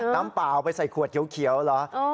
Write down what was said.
น้ำเปล่าได้ใส่ขวดเขียวเหรอ